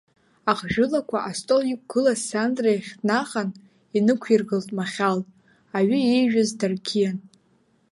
Ахжәылақәа астол иқәгылаз Сандра иахь днахан инықәиргылт махьал, аҩы иижәыз дарқьиан.